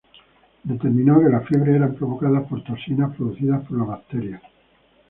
Determinó que las fiebres eran provocadas por toxinas producidas por la bacteria.